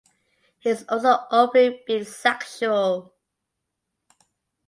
He is also openly bisexual.